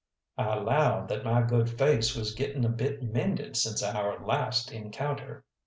I allowed that my good face was getting a bit mended since our last encounter.